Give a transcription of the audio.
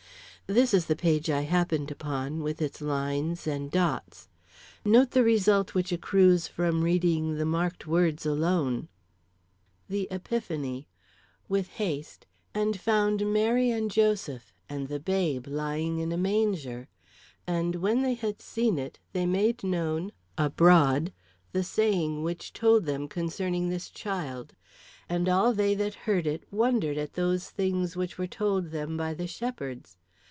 This is the page I happened upon, with its lines and dots. Note the result which accrues from reading the marked words alone. [Illustration: THE EPIPHANY. with haste, and found Mary and Joseph, and the babe lying in a manger. And when they had seen it, they made known abroad the saying which told them concerning this child. And all they that heard it wondered at those things which were told them by the shepherds.